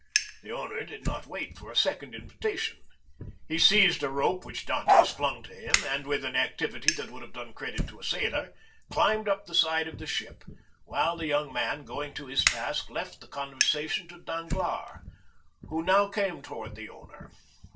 The owner did not wait for a second invitation. He seized a rope which Dantès flung to him, and with an activity that would have done credit to a sailor, climbed up the side of the ship, while the young man, going to his task, left the conversation to Danglars, who now came towards the owner.